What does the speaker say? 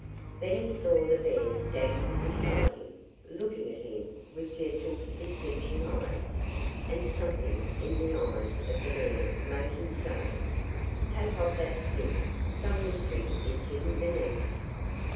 Then he saw the bear standing beside him, looking at him with gentle, beseeching eyes, and something in the eyes of the bear made him say: 'Take off that skin, some mystery is hidden beneath it.